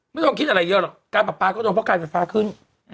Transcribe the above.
ไม่ต้องคิดอะไรเยอะหรอกการปรับปลาก็โดนเพราะการไฟฟ้าขึ้น